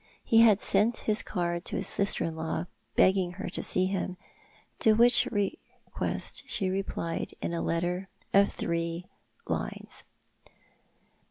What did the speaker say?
He sent his card to his sister in law, begging her to see him, to which request she replied in a letter of three lines.